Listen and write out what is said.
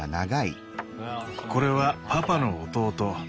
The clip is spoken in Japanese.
これはパパの弟